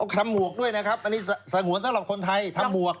คำหมวกด้วยนะครับอันนี้สงวนสำหรับคนไทยทำบวก